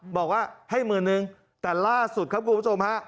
บอกว่าให้หมื่นนึงแต่ล่าสุดครับคุณผู้ชมฮะ